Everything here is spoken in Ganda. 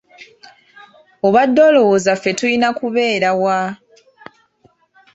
Obadde olowooza ffe tulina kubeera wa?